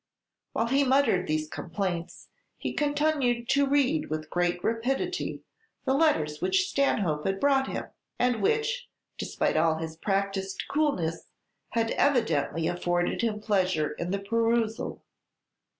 While he muttered these complaints, he continued to read with great rapidity the letters which Stanhope had brought him, and which, despite all his practised coolness, had evidently afforded him pleasure in the perusal.